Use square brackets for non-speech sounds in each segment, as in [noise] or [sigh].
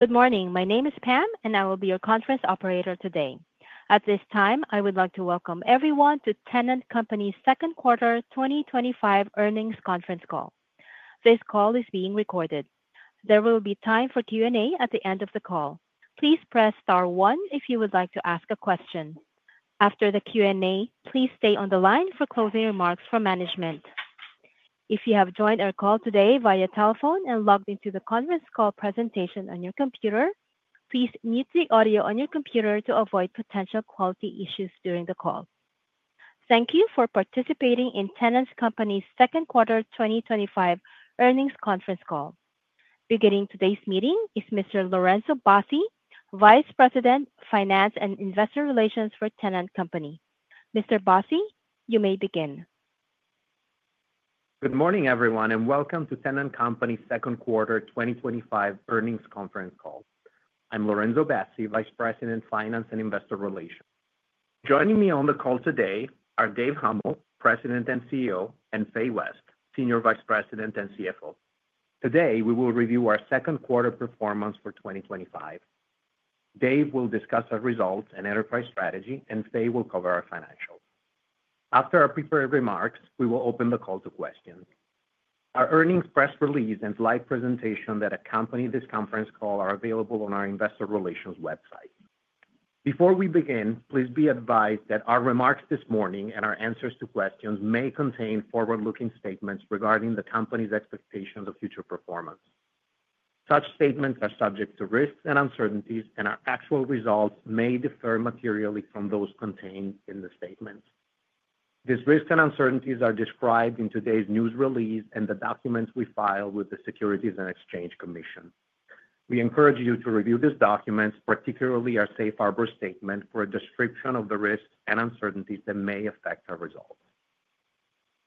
Good morning. My name is Pam, and I will be your conference operator today. At this time, I would like to welcome everyone to Tennant Company's Second Quarter 2025 Earnings Conference Call. This call is being recorded. There will be time for Q&A at the end of the call. Please press star one if you would like to ask a question. After the Q&A, please stay on the line for closing remarks from management. If you have joined our call today via telephone and logged into the conference call presentation on your computer, please mute the audio on your computer to avoid potential quality issues during the call. Thank you for participating in Tennant Company's second quarter 2025 earnings conference call. Beginning today's meeting is Mr. Lorenzo Bassi, Vice President, Finance and Investor Relations for Tennant Company. Mr. Bassi, you may begin. Good morning, everyone, and welcome to Tennant Company's Second Quarter 2025 Earnings Conference Call. I'm Lorenzo Bassi, Vice President, Finance and Investor Relations. Joining me on the call today are Dave Huml, President and CEO, and Fay West, Senior Vice President and CFO. Today, we will review our second quarter performance for 2025. Dave will discuss our results and enterprise strategy, and Fay will cover our financials. After our prepared remarks, we will open the call to questions. Our earnings press release and slide presentation that accompany this conference call are available on our Investor Relations website. Before we begin, please be advised that our remarks this morning and our answers to questions may contain forward-looking statements regarding the company's expectations of future performance. Such statements are subject to risks and uncertainties, and our actual results may differ materially from those contained in the statements. These risks and uncertainties are described in today's news release and the documents we filed with the Securities and Exchange Commission. We encourage you to review these documents, particularly our safe harbor statement, for a description of the risks and uncertainties that may affect our results.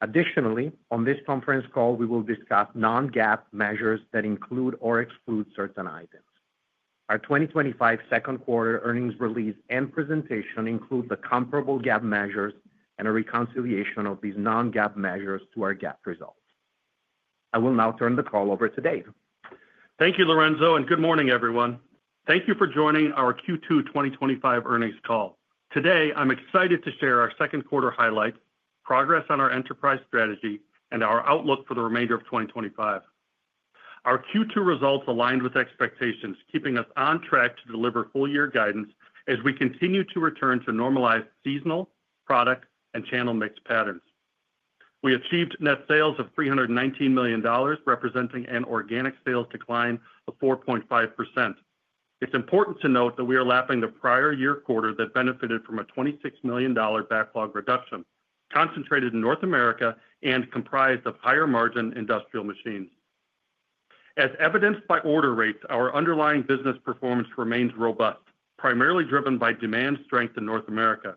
Additionally, on this conference call, we will discuss non-GAAP measures that include or exclude certain items. Our 2025 second quarter earnings release and presentation include the comparable GAAP measures and a reconciliation of these non-GAAP measures to our GAAP results. I will now turn the call over to Dave. Thank you, Lorenzo, and good morning, everyone. Thank you for joining our Q2 2025 earnings call. Today, I'm excited to share our second quarter highlights, progress on our enterprise strategy, and our outlook for the remainder of 2025. Our Q2 results aligned with expectations, keeping us on track to deliver full-year guidance as we continue to return to normalized seasonal, product, and channel mix patterns. We achieved net sales of $319 million, representing an organic sales decline of 4.5%. It's important to note that we are lapping the prior year quarter that benefited from a $26 million backlog reduction, concentrated in North America and comprised of higher margin industrial machines. As evidenced by order rates, our underlying business performance remains robust, primarily driven by demand strength in North America.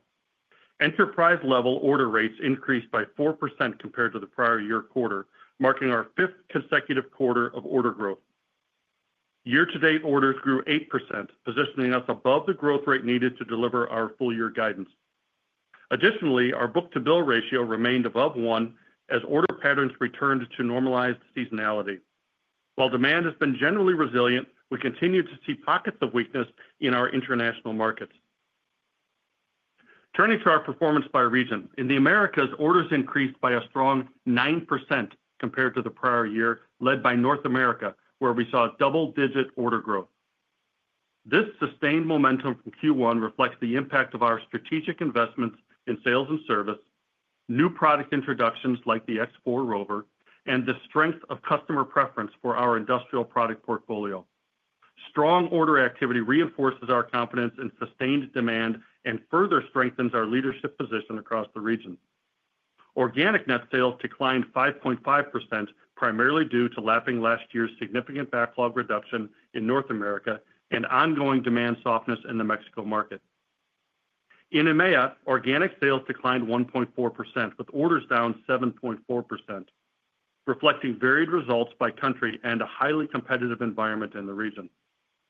Enterprise-level order rates increased by 4% compared to the prior year quarter, marking our fifth consecutive quarter of order growth. Year-to-date orders grew 8%, positioning us above the growth rate needed to deliver our full-year guidance. Additionally, our book-to-bill ratio remained above one as order patterns returned to normalized seasonality. While demand has been generally resilient, we continue to see pockets of weakness in our international markets. Turning to our performance by region, in the Americas, orders increased by a strong 9% compared to the prior year, led by North America, where we saw double-digit order growth. This sustained momentum from Q1 reflects the impact of our strategic investments in sales and service, new product introductions like the X4 ROVR, and the strength of customer preference for our industrial product portfolio. Strong order activity reinforces our confidence in sustained demand and further strengthens our leadership position across the region. Organic net sales declined 5.5%, primarily due to lapping last year's significant backlog reduction in North America and ongoing demand softness in the Mexico market. In EMEA, organic sales declined 1.4%, with orders down 7.4%, reflecting varied results by country and a highly competitive environment in the region.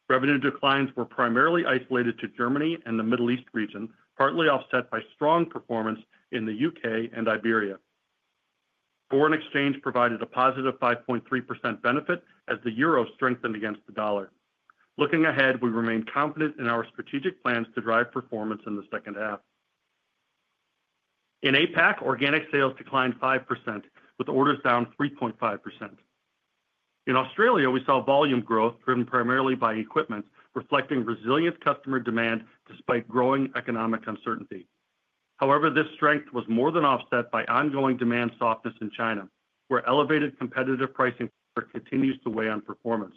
Revenue declines were primarily isolated to Germany and the Middle East region, partly offset by strong performance in the U.K. and Iberia. Foreign exchange provided a positive 5.3% benefit as the euro strengthened against the dollar. Looking ahead, we remain confident in our strategic plans to drive performance in the second half. In APAC, organic sales declined 5%, with orders down 3.5%. In Australia, we saw volume growth driven primarily by equipment, reflecting resilient customer demand despite growing economic uncertainty. However, this strength was more than offset by ongoing demand softness in China, where elevated competitive pricing continues to weigh on performance.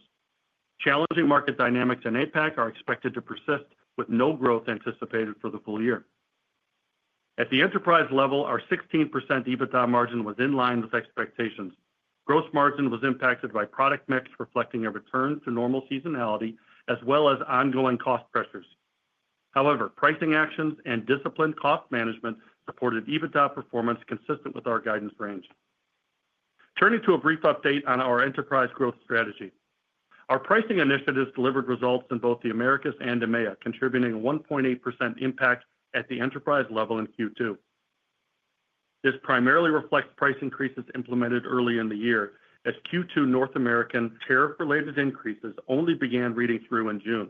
Challenging market dynamics in APAC are expected to persist, with no growth anticipated for the full year. At the enterprise level, our 16% EBITDA margin was in line with expectations. Gross margin was impacted by product mix, reflecting a return to normal seasonality, as well as ongoing cost pressures. However, pricing actions and disciplined cost management supported EBITDA performance consistent with our guidance range. Turning to a brief update on our enterprise growth strategy, our pricing initiatives delivered results in both the Americas and EMEA, contributing a 1.8% impact at the enterprise level in Q2. This primarily reflects price increases implemented early in the year, as Q2 North American share-related increases only began reading through in June.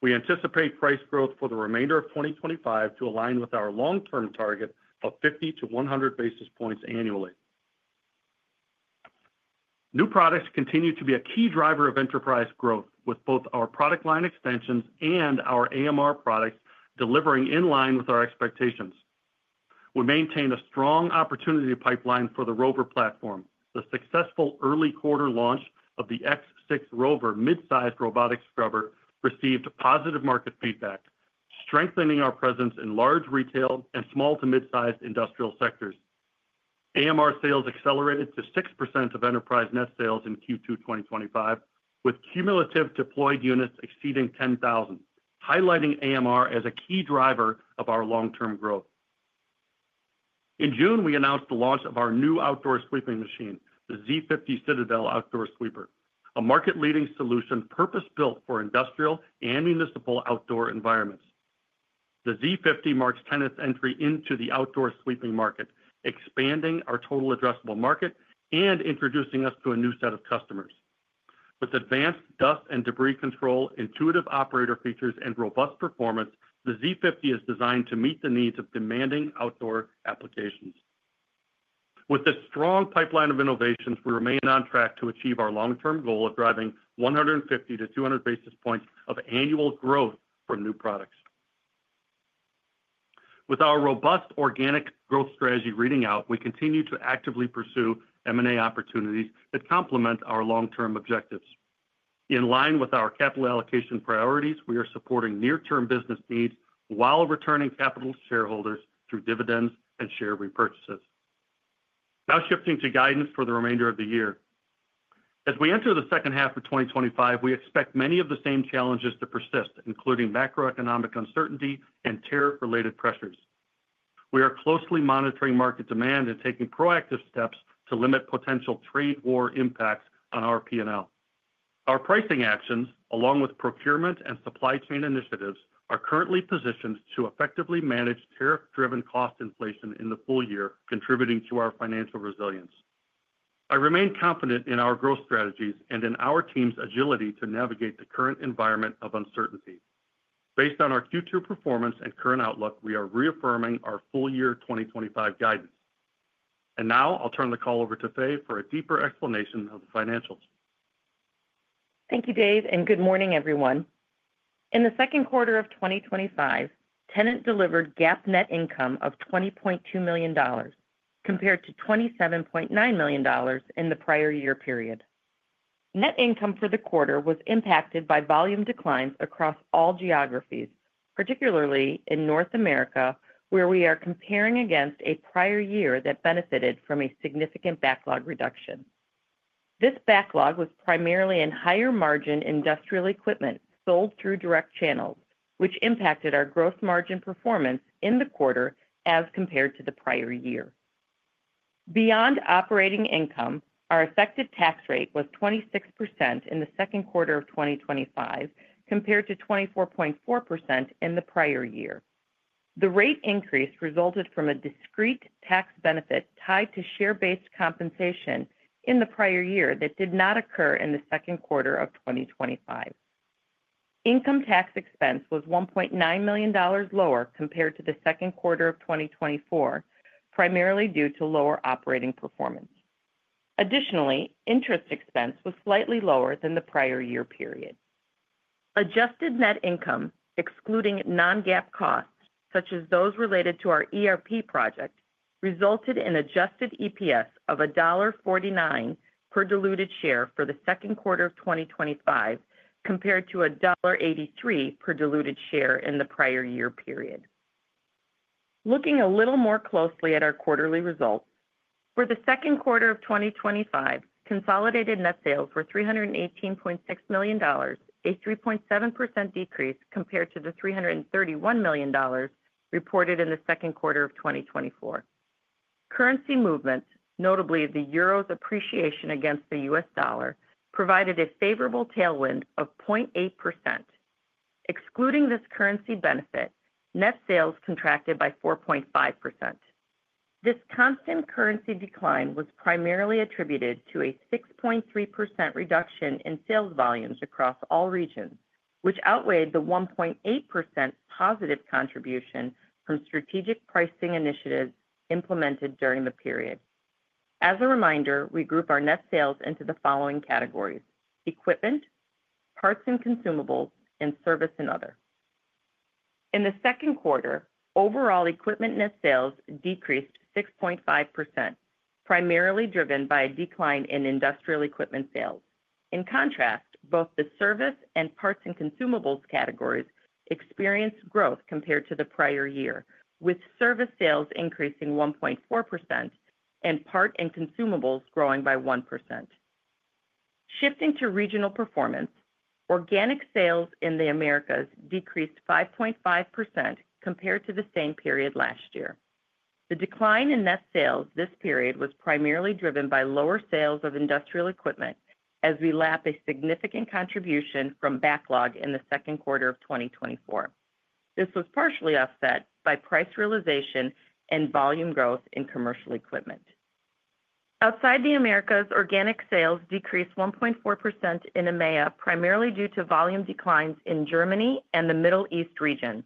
We anticipate price growth for the remainder of 2025 to align with our long-term target of 50 to 100 basis points annually. New products continue to be a key driver of enterprise growth, with both our product line extensions and our AMR products delivering in line with our expectations. We maintain a strong opportunity pipeline for the ROVR platform. The successful early quarter launch of the X6 ROVR mid-sized robotics scrubber received positive market feedback, strengthening our presence in large retail and small to mid-sized industrial sectors. AMR sales accelerated to 6% of enterprise net sales in Q2 2025, with cumulative deployed units exceeding 10,000, highlighting AMR as a key driver of our long-term growth. In June, we announced the launch of our new outdoor sweeping machine, the Z50 Citadel Outdoor Sweeper, a market-leading solution purpose-built for industrial and municipal outdoor environments. The Z50 marks Tennant Company's entry into the outdoor sweeping market, expanding our total addressable market and introducing us to a new set of customers. With advanced dust and debris control, intuitive operator features, and robust performance, the Z50 is designed to meet the needs of demanding outdoor applications. With a strong pipeline of innovations, we remain on track to achieve our long-term goal of driving 150 to 200 basis points of annual growth for new products. With our robust organic growth strategy reading out, we continue to actively pursue M&A opportunities that complement our long-term objectives. In line with our capital allocation priorities, we are supporting near-term business needs while returning capital to shareholders through dividends and share repurchases. Now shifting to guidance for the remainder of the year. As we enter the second half of 2025, we expect many of the same challenges to persist, including macroeconomic uncertainty and tariff-related pressures. We are closely monitoring market demand and taking proactive steps to limit potential trade war impacts on our P&L. Our pricing actions, along with procurement and supply chain initiatives, are currently positioned to effectively manage tariff-driven cost inflation in the full year, contributing to our financial resilience. I remain confident in our growth strategies and in our team's agility to navigate the current environment of uncertainty. Based on our Q2 performance and current outlook, we are reaffirming our full-year 2025 guidance. Now, I'll turn the call over to Fay for a deeper explanation of the financials. Thank you, Dave, and good morning, everyone. In the second quarter of 2025, Tennant delivered GAAP net income of $20.2 million compared to $27.9 million in the prior year period. Net income for the quarter was impacted by volume declines across all geographies, particularly in North America, where we are comparing against a prior year that benefited from a significant backlog reduction. This backlog was primarily in higher margin industrial equipment sold through direct channels, which impacted our gross margin performance in the quarter as compared to the prior year. Beyond operating income, our effective tax rate was 26% in the second quarter of 2025, compared to 24.4% in the prior year. The rate increase resulted from a discrete tax benefit tied to share-based compensation in the prior year that did not occur in the second quarter of 2025. Income tax expense was $1.9 million lower compared to the second quarter of 2024, primarily due to lower operating performance. Additionally, interest expense was slightly lower than the prior year period. Adjusted net income, excluding non-GAAP costs such as those related to our ERP project, resulted in an adjusted EPS of $1.49 per diluted share for the second quarter of 2025, compared to $1.83 per diluted share in the prior year period. Looking a little more closely at our quarterly results, for the second quarter of 2025, consolidated net sales were $318.6 million, a 3.7% decrease compared to the $331 million reported in the second quarter of 2024. Currency movement, notably the euro's appreciation against the U.S. dollar, provided a favorable tailwind of 0.8%. Excluding this currency benefit, net sales contracted by 4.5%. This constant currency decline was primarily attributed to a 6.3% reduction in sales volumes across all regions, which outweighed the 1.8% positive contribution from strategic pricing initiatives implemented during the period. As a reminder, we group our net sales into the following categories: equipment, parts and consumables, and service and other. In the second quarter, overall equipment net sales decreased 6.5%, primarily driven by a decline in industrial equipment sales. In contrast, both the service and parts and consumables categories experienced growth compared to the prior year, with service sales increasing 1.4% and parts and consumables growing by 1%. Shifting to regional performance, organic sales in the Americas decreased 5.5% compared to the same period last year. The decline in net sales this period was primarily driven by lower sales of industrial equipment, as we lapped a significant contribution from backlog in the second quarter of 2024. This was partially offset by price realization and volume growth in commercial equipment. Outside the Americas, organic sales decreased 1.4% in EMEA, primarily due to volume declines in Germany and the Middle East region.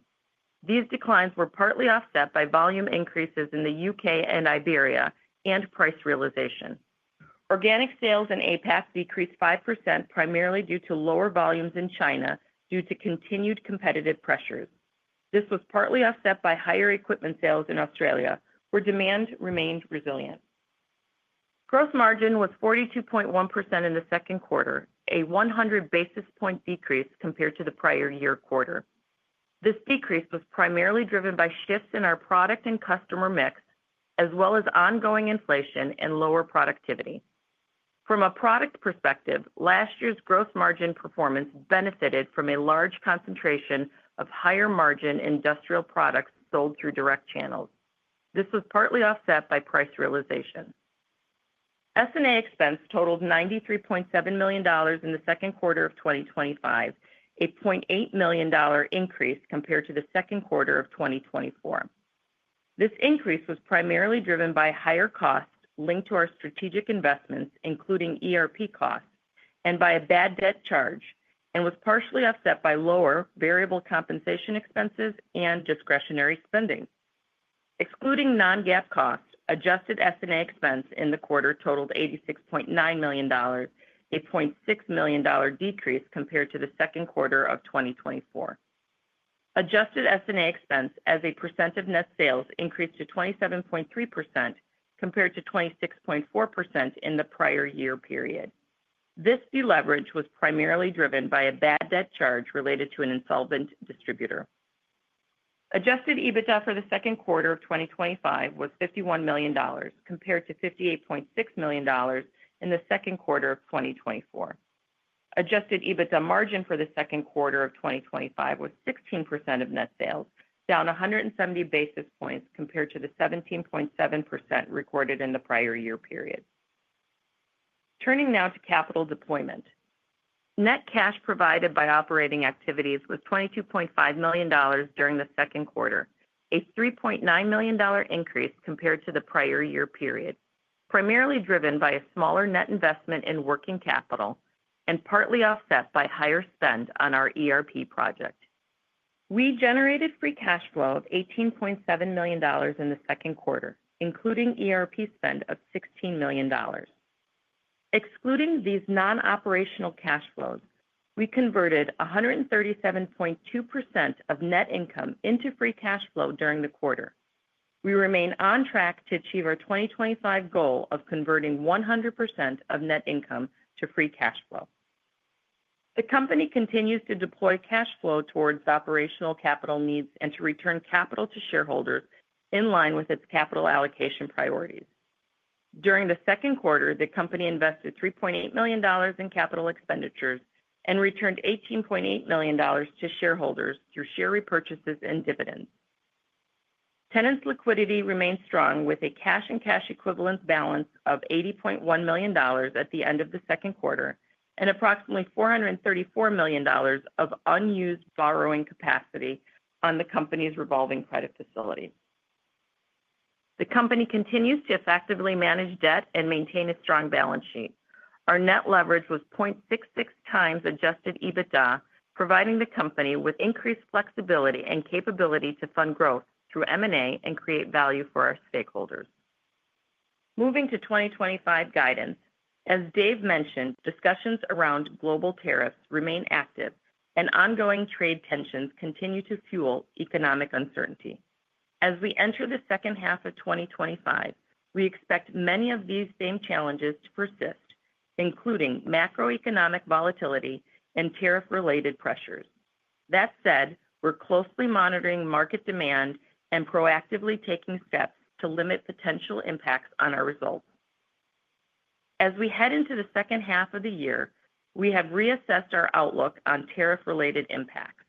These declines were partly offset by volume increases in the U.K. and Iberia and price realization. Organic sales in APAC decreased 5%, primarily due to lower volumes in China due to continued competitive pressures. This was partly offset by higher equipment sales in Australia, where demand remained resilient. Gross margin was 42.1% in the second quarter, a 100 basis point decrease compared to the prior year quarter. This decrease was primarily driven by shifts in our product and customer mix, as well as ongoing inflation and lower productivity. From a product perspective, last year's gross margin performance benefited from a large concentration of higher margin industrial products sold through direct channels. This was partly offset by price realization. S&A expense totaled $93.7 million in the second quarter of 2025, a $0.8 million increase compared to the second quarter of 2024. This increase was primarily driven by higher costs linked to our strategic investments, including ERP costs, and by a bad debt charge, and was partially offset by lower variable compensation expenses and discretionary spending. Excluding non-GAAP costs, adjusted S&A expense in the quarter totaled $86.9 million, a $0.6 million decrease compared to the second quarter of 2024. Adjusted S&A expense as a percent of net sales increased to 27.3% compared to 26.4% in the prior year period. This deleverage was primarily driven by a bad debt charge related to an insolvent distributor. Adjusted EBITDA for the second quarter of 2025 was $51 million compared to $58.6 million in the second quarter of 2024. Adjusted EBITDA margin for the second quarter of 2025 was 16% of net sales, down 170 basis points compared to the 17.7% recorded in the prior year period. Turning now to capital deployment, net cash provided by operating activities was $22.5 million during the second quarter, a $3.9 million increase compared to the prior year period, primarily driven by a smaller net investment in working capital and partly offset by higher spend on our ERP project. We generated free cash flow of $18.7 million in the second quarter, including ERP spend of $16 million. Excluding these non-operational cash flows, we converted 137.2% of net income into free cash flow during the quarter. We remain on track to achieve our 2025 goal of converting 100% of net income to free cash flow. The company continues to deploy cash flow towards operational capital needs and to return capital to shareholders in line with its capital allocation priorities. During the second quarter, the company invested $3.8 million in capital expenditures and returned $18.8 million to shareholders through share repurchases and dividends. Tennant's liquidity remains strong, with a cash and cash equivalents balance of $80.1 million at the end of the second quarter and approximately $434 million of unused borrowing capacity on the company's revolving credit facility. The company continues to effectively manage debt and maintain a strong balance sheet. Our net leverage was 0.66 times adjusted EBITDA, providing the company with increased flexibility and capability to fund growth through M&A and create value for our stakeholders. Moving to 2025 guidance, as Dave mentioned, discussions around global tariffs remain active, and ongoing trade tensions continue to fuel economic uncertainty. As we enter the second half of 2025, we expect many of these same challenges to persist, including macroeconomic volatility and tariff-related pressures. That said, we're closely monitoring market demand and proactively taking steps to limit potential impacts on our results. As we head into the second half of the year, we have reassessed our outlook on tariff-related impacts.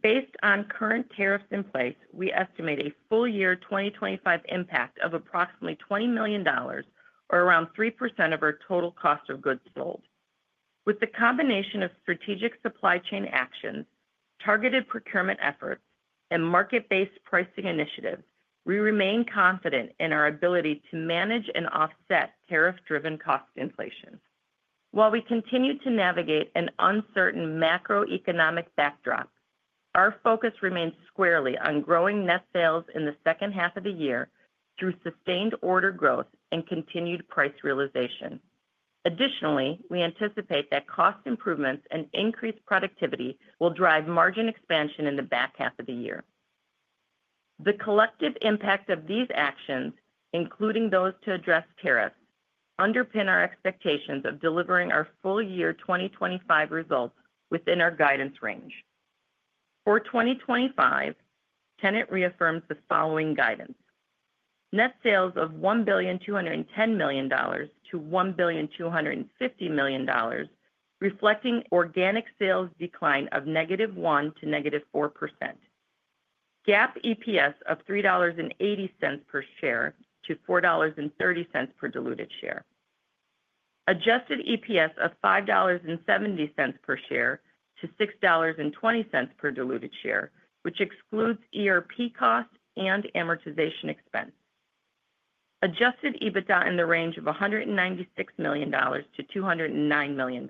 Based on current tariffs in place, we estimate a full-year 2025 impact of approximately $20 million, or around 3% of our total cost of goods sold. With the combination of strategic supply chain actions, targeted procurement efforts, and market-based pricing initiatives, we remain confident in our ability to manage and offset tariff-driven cost inflation. While we continue to navigate an uncertain macroeconomic backdrop, our focus remains squarely on growing net sales in the second half of the year through sustained order growth and continued price realization. Additionally, we anticipate that cost improvements and increased productivity will drive margin expansion in the back half of the year. The collective impact of these actions, including those to address tariffs, underpins our expectations of delivering our full-year 2025 results within our guidance range. For 2025, Tennant reaffirms the following guidance: net sales of $1.21 billion to $1.25 billion, reflecting organic sales decline of -1% to -4%. GAAP EPS of $3.80 per share to $4.30 per diluted share, adjusted EPS of $5.70 per share to $6.20 per diluted share, which excludes ERP costs and amortization expense, adjusted EBITDA in the range of $196 million to $209 million,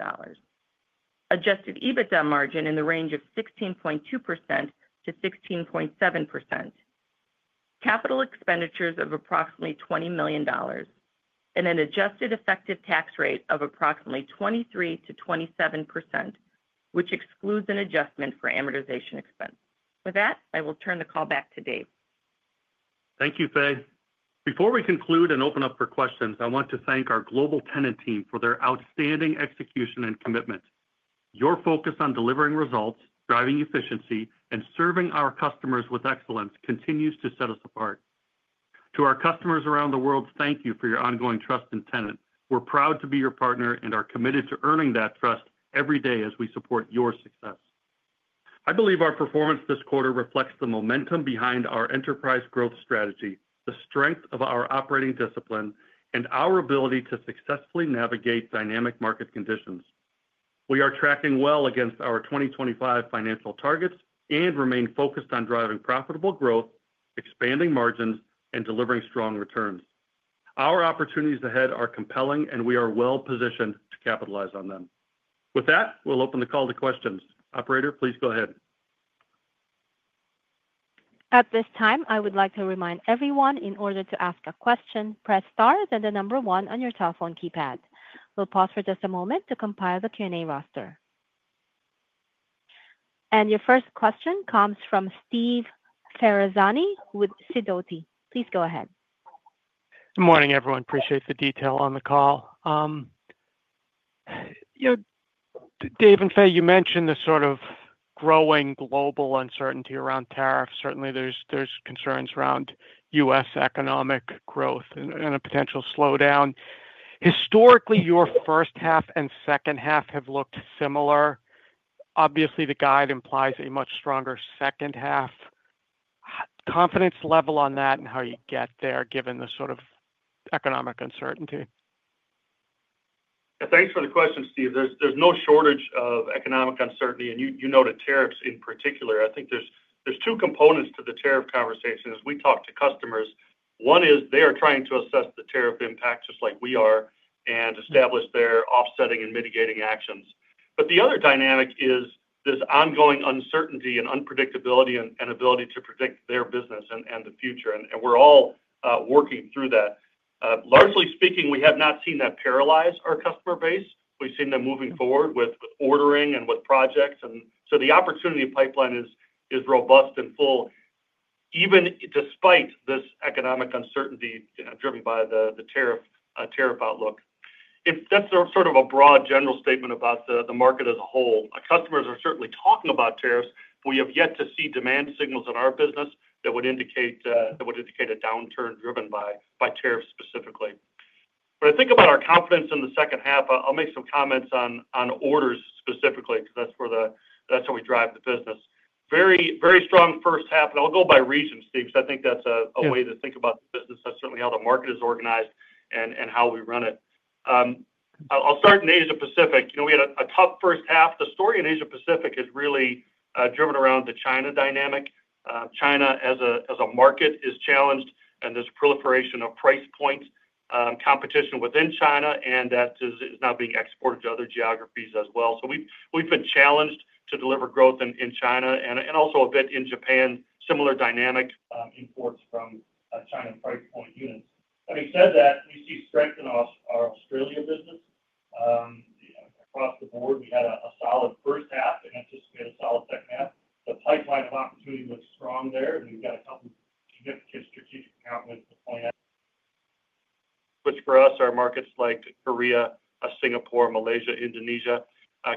adjusted EBITDA margin in the range of 16.2%-16.7%, capital expenditures of approximately $20 million, and an adjusted effective tax rate of approximately 23%-27%, which excludes an adjustment for amortization expense. With that, I will turn the call back to Dave. Thank you, Fay. Before we conclude and open up for questions, I want to thank our global Tennant team for their outstanding execution and commitment. Your focus on delivering results, driving efficiency, and serving our customers with excellence continues to set us apart. To our customers around the world, thank you for your ongoing trust in Tennant. We're proud to be your partner and are committed to earning that trust every day as we support your success. I believe our performance this quarter reflects the momentum behind our enterprise growth strategy, the strength of our operating discipline, and our ability to successfully navigate dynamic market conditions. We are tracking well against our 2025 financial targets and remain focused on driving profitable growth, expanding margins, and delivering strong returns. Our opportunities ahead are compelling, and we are well positioned to capitalize on them. With that, we'll open the call to questions. Operator, please go ahead. At this time, I would like to remind everyone, in order to ask a question, press star then the number one on your telephone keypad. We'll pause for just a moment to compile the Q&A roster. Your first question comes from Steve Ferazani with Sidoti. Please go ahead. Good morning, everyone. Appreciate the detail on the call. Dave and Fay, you mentioned the sort of growing global uncertainty around tariffs. Certainly, there's concerns around U.S. economic growth and a potential slowdown. Historically, your first half and second half have looked similar. Obviously, the guide implies a much stronger second half. Confidence level on that and how you get there, given the sort of economic uncertainty? Yeah, thanks for the question, Steve. There's no shortage of economic uncertainty, and you know the tariffs in particular. I think there's two components to the tariff conversation. As we talk to customers, one is they are trying to assess the tariff impacts, just like we are, and establish their offsetting and mitigating actions. The other dynamic is this ongoing uncertainty and unpredictability and ability to predict their business and the future, and we're all working through that. Largely speaking, we have not seen that paralyze our customer base. We've seen them moving forward with ordering and with projects, and the opportunity pipeline is robust and full, even despite this economic uncertainty driven by the tariff outlook. If that's sort of a broad general statement about the market as a whole, customers are certainly talking about tariffs. We have yet to see demand signals in our business that would indicate a downturn driven by tariffs specifically. When I think about our confidence in the second half, I'll make some comments on orders specifically, because that's where we drive the business. Very, very strong first half, and I'll go by region, Steve, because I think that's a way to think about this. That's certainly how the market is organized and how we run it. I'll start in Asia-Pacific. We had a tough first half. The story in Asia-Pacific is really driven around the China dynamic. China, as a market, is challenged, and there's proliferation of price points, competition within China, and that is now being exported to other geographies as well. We've been challenged to deliver growth in China and also a bit in Japan, similar dynamic imports from China price points units. Having said that, we see strength in Australia business. Across the board, we had a solid first half and anticipate a solid second half. The pipeline of opportunity is strong there. The strategic plan, which for us, our markets like Korea, Singapore, Malaysia, Indonesia,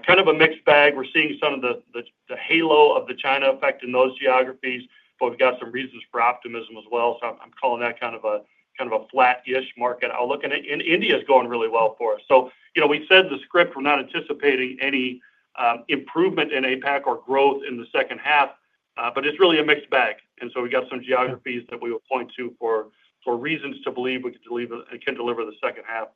kind of a mixed bag. We're seeing some of the halo of the China effect in those geographies, but we've got some reasons for optimism as well. I'm calling that kind of a flat-ish market. I'll look at it. India is going really well for us. We said in the script we're not anticipating any improvement in APAC or growth in the second half, but it's really a mixed bag. We have some geographies that we will point to for reasons to believe we can deliver the second half.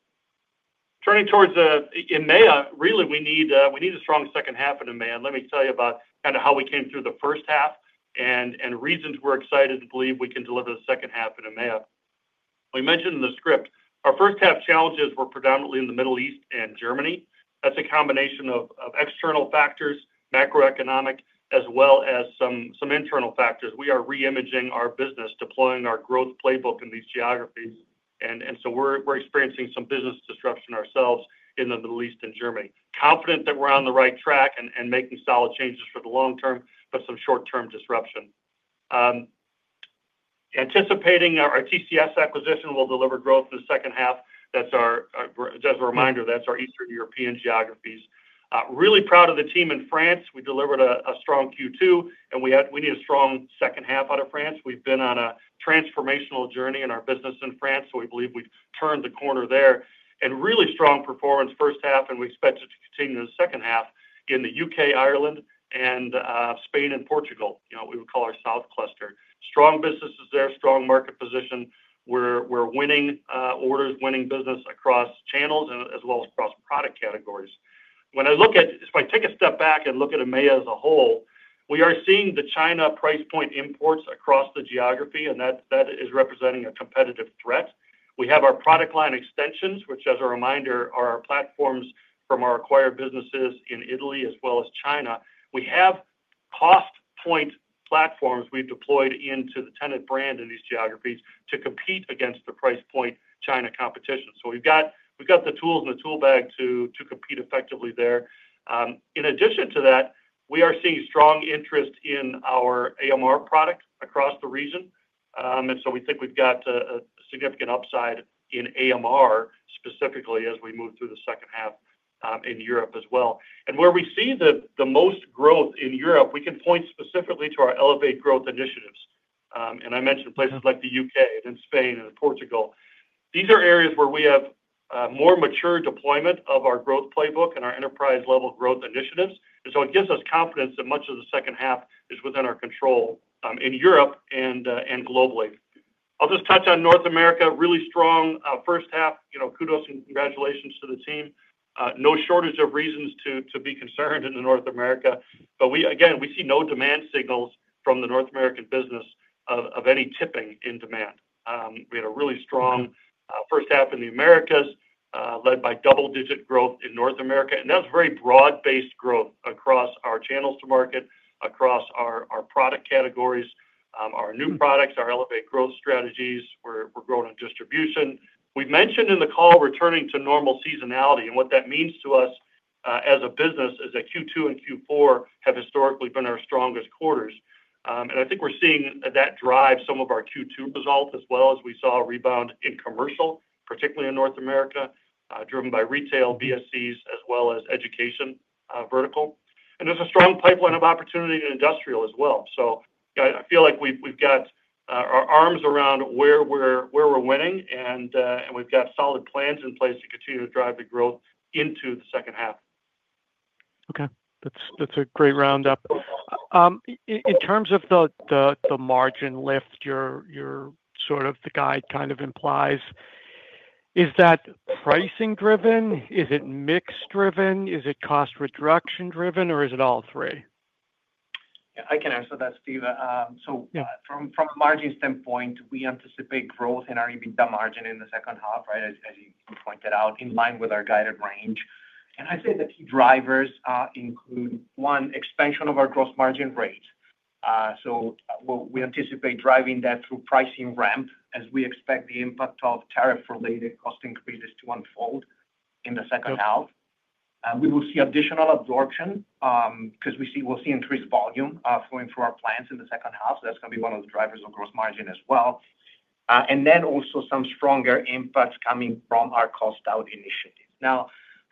Turning towards EMEA, we need a strong second half in EMEA. Let me tell you about how we came through the first half and reasons we're excited to believe we can deliver the second half in EMEA. We mentioned in the script, our first half challenges were predominantly in the Middle East and Germany. That's a combination of external factors, macroeconomic, as well as some internal factors. We are reimagining our business, deploying our growth playbook in these geographies. We're experiencing some business disruption ourselves in the Middle East and Germany. Confident that we're on the right track and making solid changes for the long term, but some short-term disruption. Anticipating our TCS acquisition will deliver growth in the second half. As a reminder, that's our Eastern European geographies. Really proud of the team in France. We delivered a strong Q2, and we need a strong second half out of France. We've been on a transformational journey in our business in France, so we believe we've turned the corner there. Really strong performance first half, and we expect it to continue in the second half in the U.K., Ireland, Spain, and Portugal, which we would call our south cluster. Strong businesses there, strong market position. We're winning orders, winning business across channels, as well as across product categories. If I take a step back and look at EMEA as a whole, we are seeing the China price point imports across the geography, and that is representing a competitive threat. We have our product line extensions, which, as a reminder, are our platforms from our acquired businesses in Italy as well as China. We have cost point platforms we've deployed into the Tennant brand in these geographies to compete against the price point China competition. We've got the tools in the tool bag to compete effectively there. In addition to that, we are seeing strong interest in our AMR product across the region. We think we've got a significant upside in AMR specifically as we move through the second half in Europe as well. Where we see the most growth in Europe, we can point specifically to our Elevate Growth initiatives. I mentioned places like the U.K., Spain, and Portugal. These are areas where we have more mature deployment of our growth playbook and our enterprise-level growth initiatives. It gives us confidence that much of the second half is within our control in Europe and globally. I'll just touch on North America, really strong first half. Kudos and congratulations to the team. No shortage of reasons to be concerned in North America, but we, again, we see no demand signals from the North American business of any tipping in demand. We had a really strong first half in the Americas, led by double-digit growth in North America, and that's very broad-based growth across our channels to market, across our product categories, our new products, our Elevate Growth strategies. We're growing on distribution. We mentioned in the call we're turning to normal seasonality, and what that means to us as a business is that Q2 and Q4 have historically been our strongest quarters. I think we're seeing that drive some of our Q2 results, as well as we saw a rebound in commercial, particularly in North America, driven by retail BSCs, as well as education vertical. There's a strong pipeline of opportunity in industrial as well. I feel like we've got our arms around where we're winning, and we've got solid plans in place to continue to drive the growth into the second half. Okay. That's a great roundup. In terms of the margin lift you're sort of the guide kind of implies, is that pricing-driven? Is it mix-driven? Is it cost-reduction-driven, or is it all three? Yeah, I can answer that, Steve. From a margin standpoint, we anticipate growth in our EBITDA margin in the second half, right, as you pointed out, in line with our guided range. I'd say the key drivers include, one, expansion of our gross margin rate. We anticipate driving that through pricing ramp, as we expect the impact of tariff-related cost increases to unfold in the second half. We will see additional absorption because we will see increased volume flowing through our plants in the second half. That's going to be one of the drivers of gross margin as well. Also, some stronger impacts coming from our cost-out initiative.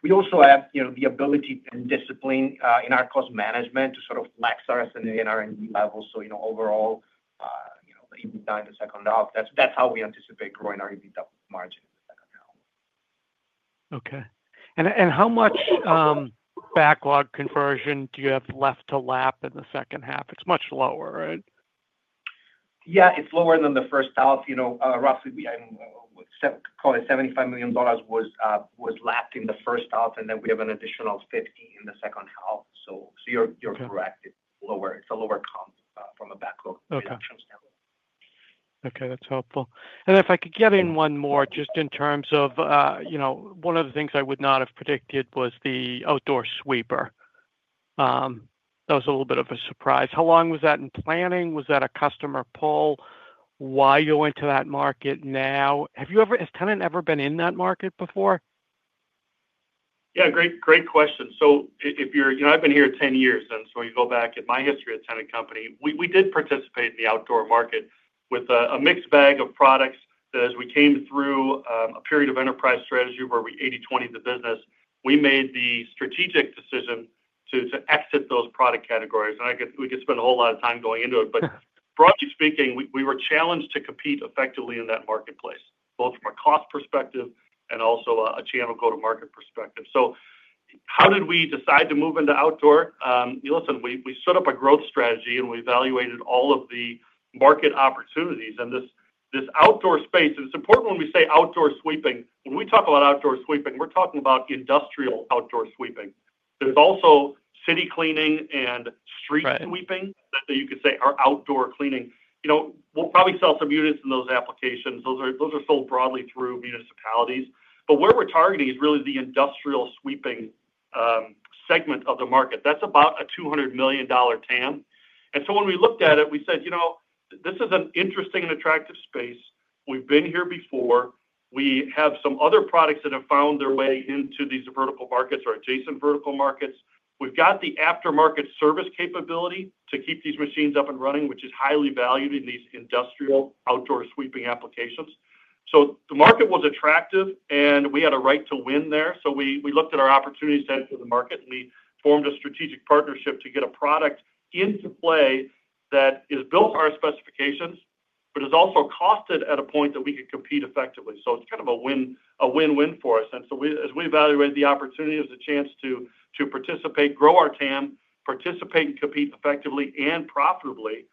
We also have the ability and discipline in our cost management to sort of max our S&A and our. [audio distortion] Overall, the EBITDA in the second half, that's how we anticipate growing our EBITDA margin in the second half. Okay, how much backlog conversion do you have left to lap in the second half? It's much lower, right? Yeah, it's lower than the first half. You know, roughly, I don't know, call it $75 million was lapped in the first half, and then we have an additional $50 million in the second half. You're correct, it's lower. It's a lower comp from a backlog conversion standpoint. Okay. That's helpful. If I could get in one more, just in terms of, you know, one of the things I would not have predicted was the outdoor sweeper. That was a little bit of a surprise. How long was that in planning? Was that a customer pull? Why go into that market now? Have you ever, has Tennant ever been in that market before? Yeah, great question. If you're, you know, I've been here 10 years, and you go back in my history at Tennant Company, we did participate in the outdoor market with a mixed bag of products that, as we came through a period of enterprise strategy where we 80/20 the business, we made the strategic decision to exit those product categories. We could spend a whole lot of time going into it. Broadly speaking, we were challenged to compete effectively in that marketplace, both from a cost perspective and also a channel go-to-market perspective. How did we decide to move into outdoor? Listen, we stood up a growth strategy, and we evaluated all of the market opportunities. This outdoor space, and it's important when we say outdoor sweeping, when we talk about outdoor sweeping, we're talking about industrial outdoor sweeping. There's also city cleaning and street sweeping that you could say are outdoor cleaning. We'll probably sell some units in those applications. Those are sold broadly through municipalities. Where we're targeting is really the industrial sweeping segment of the market. That's about a $200 million TAM. When we looked at it, we said, you know, this is an interesting and attractive space. We've been here before. We have some other products that have found their way into these vertical markets or adjacent vertical markets. We've got the aftermarket service capability to keep these machines up and running, which is highly valued in these industrial outdoor sweeping applications. The market was attractive, and we had a right to win there. We looked at our opportunities to enter the market, and we formed a strategic partnership to get a product into play that is built to our specifications, but is also costed at a point that we could compete effectively. It's kind of a win-win for us. As we evaluated the opportunity, it was a chance to participate, grow our TAM, participate and compete effectively and profitably.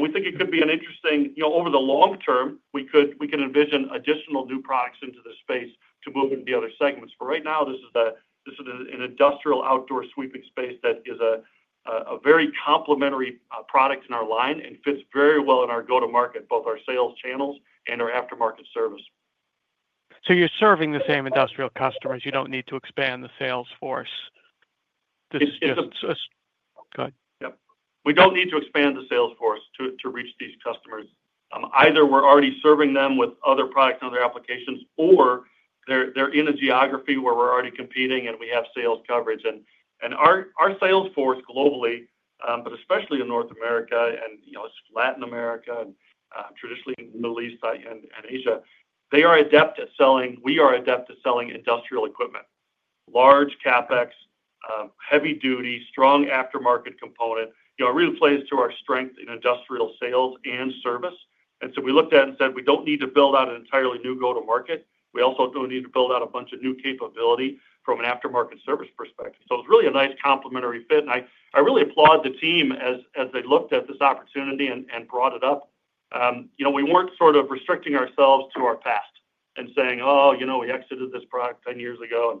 We think it could be an interesting, you know, over the long term, we could envision additional new products into this space to move into the other segments. Right now, this is an industrial outdoor sweeping space that is a very complementary product in our line and fits very well in our go-to-market, both our sales channels and our aftermarket service. You are serving the same industrial customers. You don't need to expand the sales force. Yep. Go ahead. We don't need to expand the sales force to reach these customers. Either we're already serving them with other products and other applications, or they're in a geography where we're already competing and we have sales coverage. Our sales force globally, especially in North America and, you know, Latin America and traditionally in the Middle East and Asia, are adept at selling. We are adept at selling industrial equipment. Large CapEx, heavy-duty, strong aftermarket component really plays to our strength in industrial sales and service. We looked at it and said we don't need to build out an entirely new go-to-market. We also don't need to build out a bunch of new capability from an aftermarket service perspective. It was really a nice complementary fit. I really applaud the team as they looked at this opportunity and brought it up. We weren't restricting ourselves to our past and saying, oh, you know, we exited this product 10 years ago, and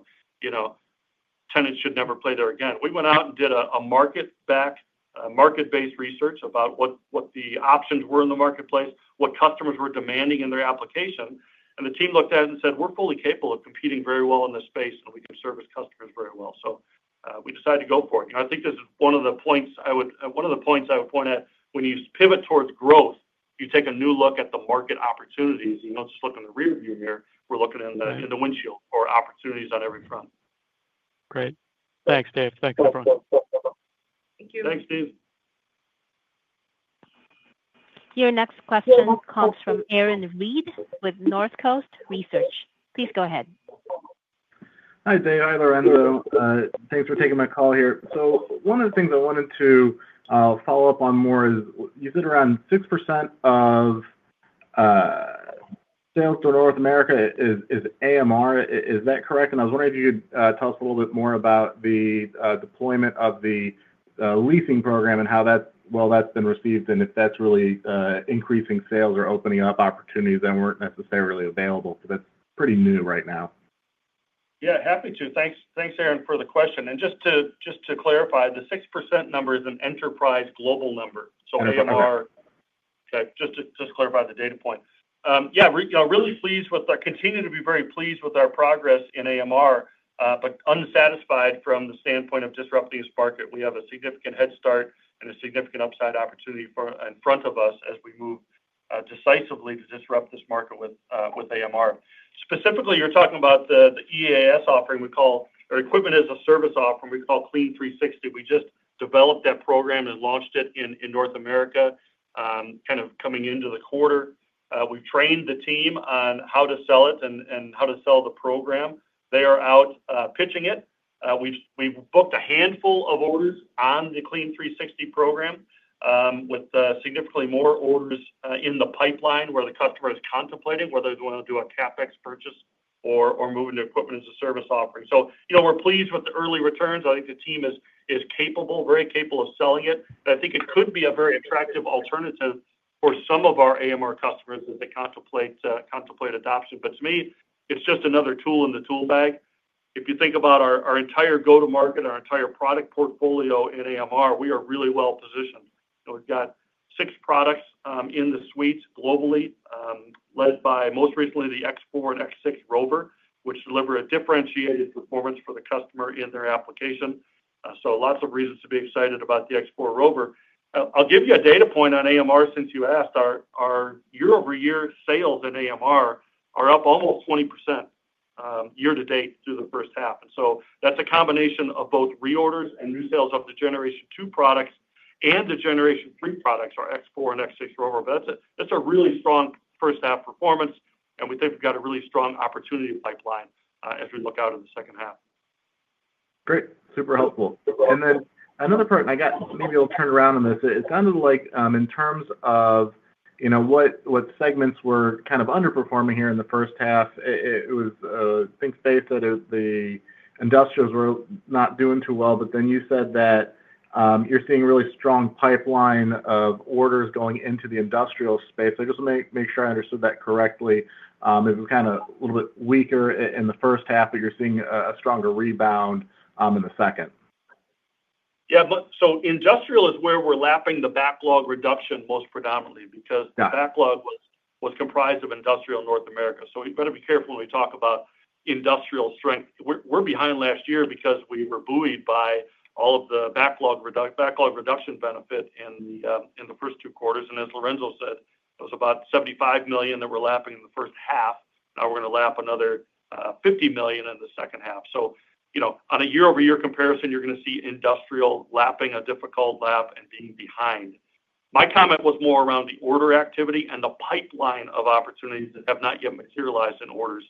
Tennant should never play there again. We went out and did market-based research about what the options were in the marketplace, what customers were demanding in their application. The team looked at it and said we're fully capable of competing very well in this space, and we can service customers very well. We decided to go for it. I think this is one of the points I would point at when you pivot towards growth, you take a new look at the market opportunities. You don't just look in the rearview mirror. We're looking in the windshield for opportunities on every front. Great. Thanks, Dave. Thanks, everyone. Thank you. Thanks, Steve. Your next question comes from Aaron Reed with Northcoast Research. Please go ahead. Hi, Dave. Hi, Lorenzo. Thanks for taking my call here. One of the things I wanted to follow up on more is you said around 6% of sales to North America is AMR. Is that correct? I was wondering if you could tell us a little bit more about the deployment of the leasing program and how that's been received, and if that's really increasing sales or opening up opportunities that weren't necessarily available because that's pretty new right now. Yeah, happy to. Thanks, Aaron, for the question. Just to clarify, the 6% number is an enterprise global number. Okay. AMR, okay, just to clarify the data point. Really pleased with, continue to be very pleased with our progress in AMR, but unsatisfied from the standpoint of disrupting this market. We have a significant head start and a significant upside opportunity in front of us as we move decisively to disrupt this market with AMR. Specifically, you're talking about the equipment-as-a-service offering we call Clean360. We just developed that program and launched it in North America, kind of coming into the quarter. We trained the team on how to sell it and how to sell the program. They are out pitching it. We've booked a handful of orders on the Clean360 program, with significantly more orders in the pipeline where the customer is contemplating whether they want to do a CapEx purchase or move into equipment-as-a-service offering. We're pleased with the early returns. I think the team is capable, very capable of selling it. I think it could be a very attractive alternative for some of our AMR customers as they contemplate adoption. To me, it's just another tool in the tool bag. If you think about our entire go-to-market and our entire product portfolio in AMR, we are really well positioned. We've got six products in the suites globally, led by most recently the X4 and X6 ROVR, which deliver a differentiated performance for the customer in their application. Lots of reasons to be excited about the X4 ROVR. I'll give you a data point on AMR since you asked. Our year-over-year sales in AMR are up almost 20% year to date through the first half. That's a combination of both reorders and new sales of the Generation 2 products and the Generation 3 products, our X4 and X6 ROVR. That's a really strong first-half performance, and we think we've got a really strong opportunity pipeline as we look out in the second half. Great. Super helpful. Another part, I guess maybe we'll turn around on this. It sounded like in terms of what segments were kind of underperforming here in the first half, I think Dave said the industrials were not doing too well, but then you said that you're seeing a really strong pipeline of orders going into the industrial space. I guess I'll make sure I understood that correctly. It was kind of a little bit weaker in the first half, but you're seeing a stronger rebound in the second. Yeah, industrial is where we're lapping the backlog reduction most predominantly because backlog was comprised of industrial North America. We better be careful when we talk about industrial strength. We're behind last year because we were buoyed by all of the backlog reduction benefits in the first two quarters. As Lorenzo said, it was about $75 million that we're lapping in the first half. Now we're going to lap another $50 million in the second half. On a year-over-year comparison, you're going to see industrial lapping a difficult lap and being behind. My comment was more around the order activity and the pipeline of opportunities that have not yet materialized in orders.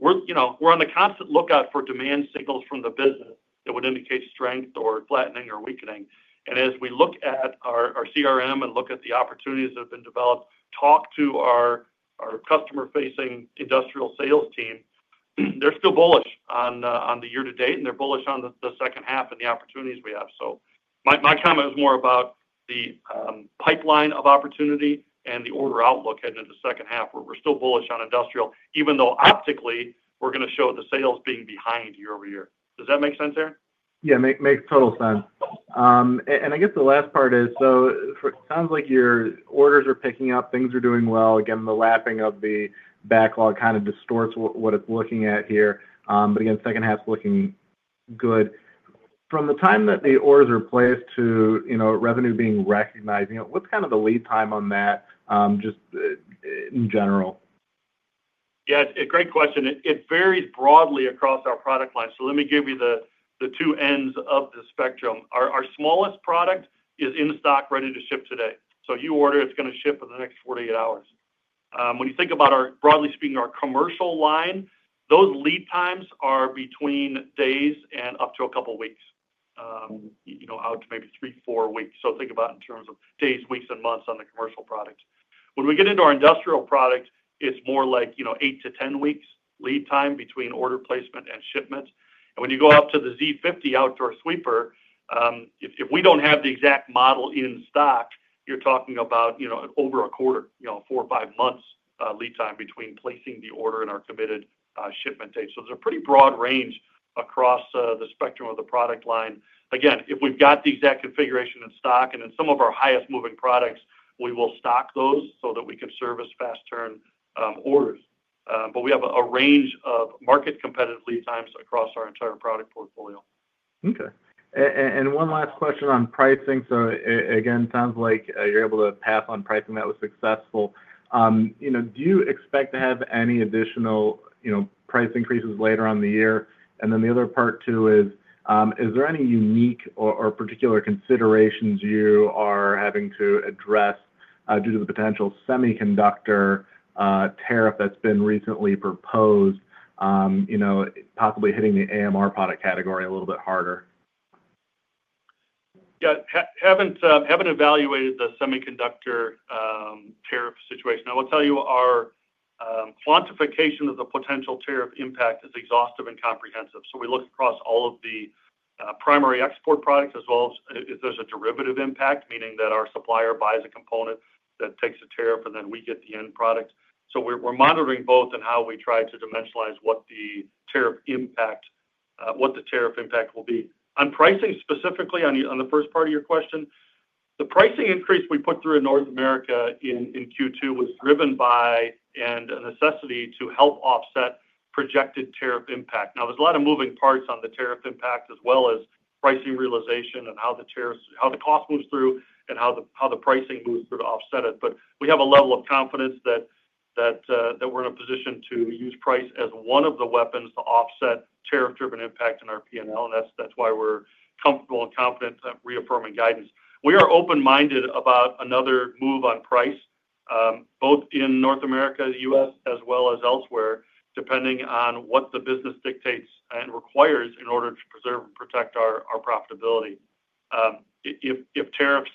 We're on the constant lookout for demand signals from the business that would indicate strength or flattening or weakening. As we look at our CRM and look at the opportunities that have been developed, talk to our customer-facing industrial sales team, they're still bullish on the year to date, and they're bullish on the second half and the opportunities we have. My comment was more about the pipeline of opportunity and the order outlook heading into the second half, where we're still bullish on industrial, even though optically we're going to show the sales being behind year-over-year. Does that make sense, Aaron? Yeah, makes total sense. I guess the last part is, it sounds like your orders are picking up, things are doing well. The lapping of the backlog kind of distorts what it's looking at here. Second half's looking good. From the time that the orders are placed to, you know, revenue being recognized, what's kind of the lead time on that, just in general? Yeah, great question. It varies broadly across our product line. Let me give you the two ends of the spectrum. Our smallest product is in stock, ready to ship today. You order, it's going to ship in the next 48 hours. When you think about our, broadly speaking, our commercial line, those lead times are between days and up to a couple of weeks, out to maybe three, four weeks. Think about in terms of days, weeks, and months on the commercial product. When we get into our industrial product, it's more like eight to 10 weeks lead time between order placement and shipment. When you go up to the Z50 Outdoor Sweeper, if we don't have the exact model in stock, you're talking about over a quarter, four or five months lead time between placing the order and our committed shipment date. There's a pretty broad range across the spectrum of the product line. Again, if we've got the exact configuration in stock, and in some of our highest moving products, we will stock those so that we can service fast-turn orders. We have a range of market competitive lead times across our entire product portfolio. Okay. One last question on pricing. It sounds like you're able to pass on pricing that was successful. Do you expect to have any additional price increases later on in the year? The other part, too, is, is there any unique or particular considerations you are having to address due to the potential semiconductor tariff that's been recently proposed, possibly hitting the AMR product category a little bit harder? Yeah, haven't evaluated the semiconductor tariff situation. I will tell you our quantification of the potential tariff impact is exhaustive and comprehensive. We look across all of the primary export products, as well as if there's a derivative impact, meaning that our supplier buys a component that takes a tariff, and then we get the end product. We're monitoring both and how we try to dimensionalize what the tariff impact, what the tariff impact will be. On pricing specifically, on the first part of your question, the pricing increase we put through in North America in Q2 was driven by a necessity to help offset projected tariff impact. There are a lot of moving parts on the tariff impact, as well as pricing realization and how the tariffs, how the cost moves through and how the pricing moves through to offset it. We have a level of confidence that we're in a position to use price as one of the weapons to offset tariff-driven impact in our P&L, and that's why we're comfortable and confident reaffirming guidance. We are open-minded about another move on price, both in North America, the U.S., as well as elsewhere, depending on what the business dictates and requires in order to preserve and protect our profitability. If tariffs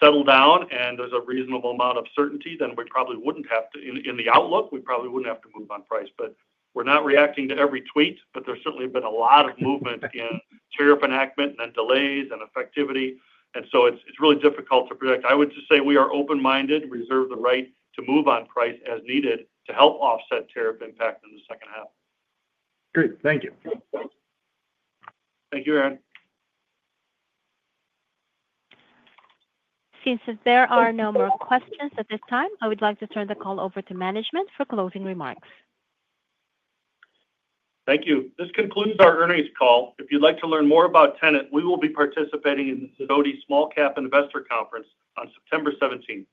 settle down and there's a reasonable amount of certainty, then we probably wouldn't have to, in the outlook, we probably wouldn't have to move on price. We're not reacting to every tweet, but there's certainly been a lot of movement in tariff enactment and delays and effectivity. It's really difficult to predict. I would just say we are open-minded and reserve the right to move on price as needed to help offset tariff impact in the second half. Great. Thank you. Thank you, Aaron. Since there are no more questions at this time, I would like to turn the call over to management for closing remarks. Thank you. This concludes our earnings call. If you'd like to learn more about Tennant, we will be participating in the Sidoti Small Cap Investor Conference on September 17.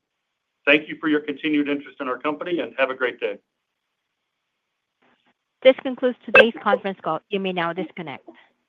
Thank you for your continued interest in our company and have a great day. This concludes today's conference call. You may now disconnect.